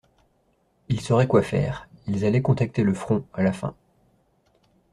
Il saurait quoi faire, ils allaient contacter le Front, à la fin